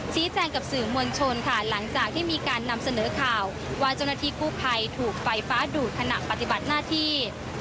ชี้แจงกับสื่อมวลชนค่ะหลังจากที่มีการนำเสนอข่าวว่าเจ้าหน้าที่กู้ภัยถูกไฟฟ้าดูดขณะปฏิบัติหน้าที่